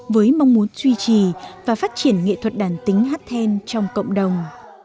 với mong muốn duy trì và phát triển nghệ thuật đàn tính hát then trong cộng đồng